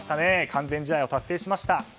完全試合を達成しました。